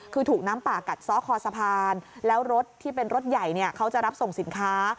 คือถูกน้ำป่ากัดซ้อคอสะพานแล้วรถที่เป็นรถใหญ่เนี่ยเขาจะรับส่งสินค้า